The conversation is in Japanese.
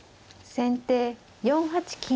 先手４八金。